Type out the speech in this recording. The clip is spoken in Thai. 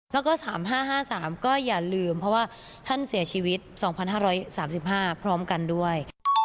แล้วก็๓๕๕๓ก็อย่าลืมเพราะว่าท่านเสียชีวิต๒๕๓๕พร้อมกันด้วย